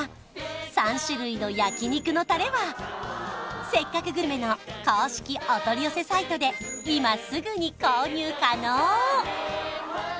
３種類の焼肉のタレは「せっかくグルメ！！」の公式お取り寄せサイトで今すぐに購入可能！